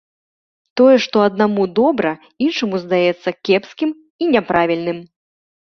Тое, што аднаму добра, іншаму здаецца кепскім і няправільным.